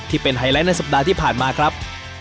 ไฮไลท์ในสัปดาห์ที่ผ่านมาครับ